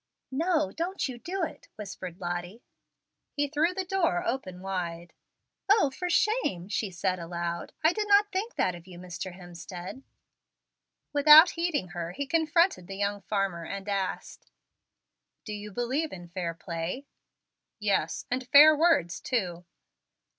"No, don't you do it," whispered Lottie. He threw the door open wide. "O, for shame!" she said aloud; "I did not think that of you, Mr. Hemstead." Without heeding her he confronted the young farmer and asked, "Do you believe in fair play?" "Yes, and fair words, too."